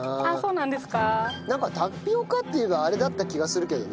なんかタピオカっていえばあれだった気がするけどね。